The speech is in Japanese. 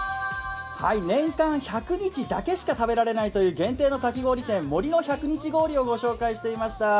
年間１００日だけしか食べられないという限定のかき氷店、森乃百日氷を紹介していました。